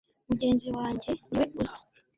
mugenzi wanjye niwe uza